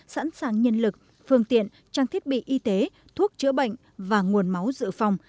sẵn sàng nhân lực phương tiện trang thiết bị y tế thuốc chữa bệnh và nguồn máu dự phòng